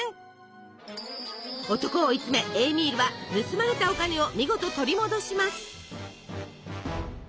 男を追い詰めエーミールは盗まれたお金を見事取り戻します。